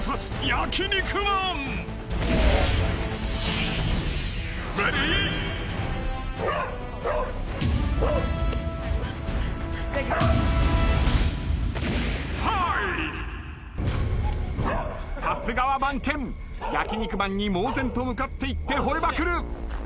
焼肉マンに猛然と向かっていって吠えまくる。